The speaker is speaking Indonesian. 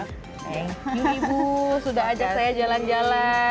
thank you ibu sudah ajak saya jalan jalan